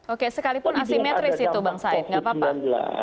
oke sekalipun asimetris itu bang said